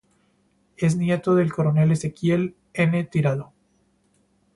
Es nieto del Coronel Ezequiel N. Tirado.